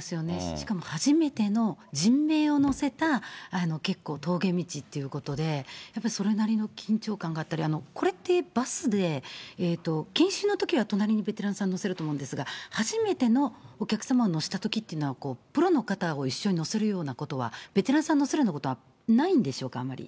しかも初めての人命を乗せた結構峠道っていうことで、やっぱそれなりの緊張感があったり、これって、バスで研修のときは隣にベテランさん乗せると思うんですが、初めてのお客様を乗せたときっていうのは、プロの方を一緒に乗せるようなことは、ベテランさんを乗せるようなことはないんでしょうか、あんまり。